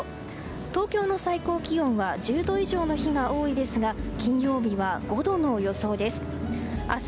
東京の最高気温は１０度以上の日が多いですが金曜日は５度の予想です。